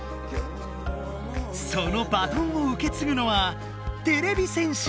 そのバトンをうけつぐのはてれび戦士５人だ！